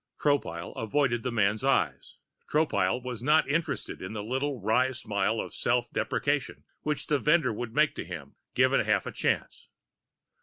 Tropile avoided the man's eyes. Tropile was not interested in the little wry smile of self deprecation which the vendor would make to him, given half a chance.